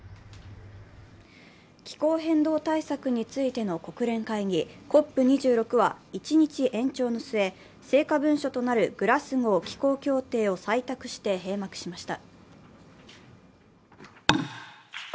気候変動対策についての国連会議、ＣＯＰ２６は一日延長の末、成果文書となるグラスゴー気候協定を採択して閉幕しました。